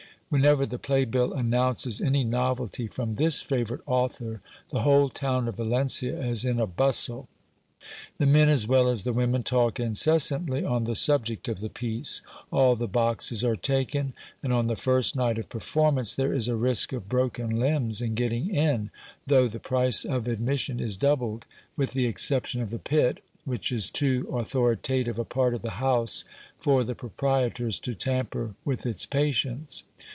Whenever the play bill announces any novelty from this favourite author, the whole town of Valencia is in a bustle. The men as well as the women talk incessantly on the subject of the piece : all the boxes are taken ; and, on the first night of performance, there is a risk of broken limbs in getting in, though the price of admission is doubled, with the exception of the pit, which is too authoritative a part of the house for the proprietors to tamper with its patience.